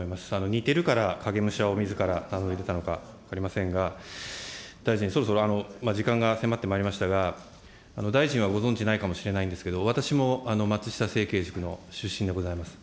似てるから、影武者をみずからしたのか、分かりませんが、大臣、そろそろ時間が迫ってまいりましたが、大臣はご存じないかもしれないんですけれども、私も松下政経塾の出身でございます。